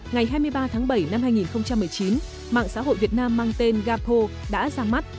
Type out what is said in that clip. ngày hai mươi ba tháng bảy năm hai nghìn một mươi chín mạng xã hội việt nam mang tên gapo đã ra mắt